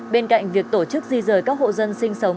bên cạnh việc tổ chức di rời các hộ dân sinh sống